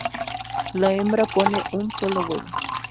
La hembra pone un solo huevo.